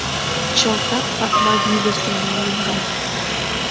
Чылтак пакма вӱльӧ семын лӱҥгат.